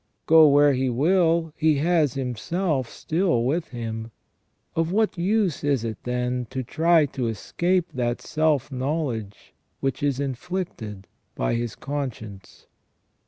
Go where he will, he has himself still with him. Of what use is it, then, to try to escape that self knowledge which is inflicted by his conscience